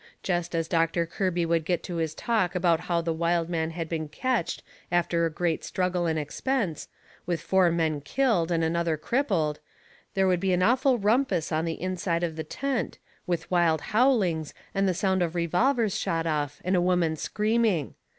Jest as Doctor Kirby would get to his talk about how the wild man had been ketched after great struggle and expense, with four men killed and another crippled, there would be an awful rumpus on the inside of the tent, with wild howlings and the sound of revolvers shot off and a woman screaming.